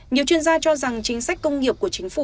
nhiều chuyên gia cho rằng chính sách công nghiệp của chính phủ